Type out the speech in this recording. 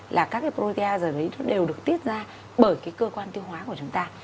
là các cái protease rồi đấy nó đều được tiết ra bởi cái cơ quan tiêu hóa của chúng ta